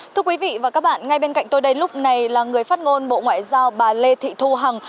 thưa quý vị và các bạn ngay bên cạnh tôi đây lúc này là người phát ngôn bộ ngoại giao bà lê thị thu hằng